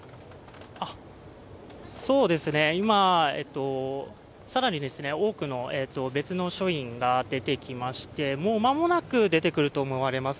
今、更に多くの別の署員が出てきまして、もう間もなく出てくると思われます。